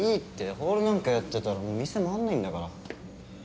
ホールなんかやってたら店まわんないんだから。